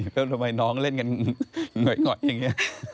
แล้วทำไมน้องเล่นกันเหนื่อยก่อนอย่างนี้